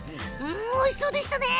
おいしそうでしたね。